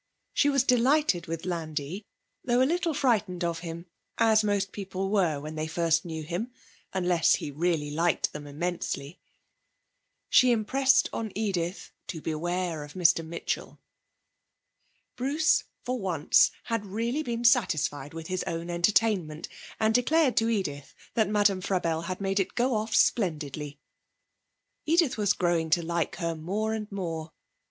She was delighted with Landi, though a little frightened of him, as most people were when they first knew him, unless he really liked them immensely. She impressed on Edith to beware of Mr. Mitchell. Bruce, for once, had really been satisfied with his own entertainment, and declared to Edith that Madame Frabelle had made it go off splendidly. Edith was growing to like her more and more.